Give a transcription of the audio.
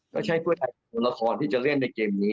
ก็ใช่เพื่อไทยตัวละครที่จะเล่นในเกมนี้